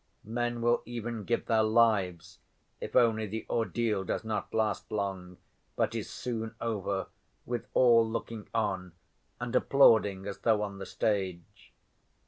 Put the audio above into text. Men will even give their lives if only the ordeal does not last long but is soon over, with all looking on and applauding as though on the stage.